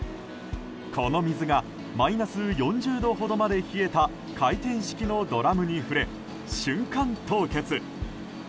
この水がマイナス４０度ほどまで冷えた回転式のドラムに触れ瞬間凍結。